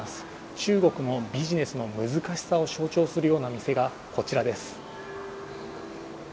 中国のビジネスの難しさを象徴するような店がこちらです。